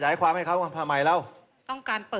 สถานการณ์จะไม่ไปจนถึงขั้นนั้นครับ